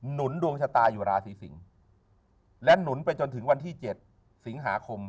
หนุนดวงชะตาอยู่ราศีสิงศ์และหนุนไปจนถึงวันที่๗สิงหาคม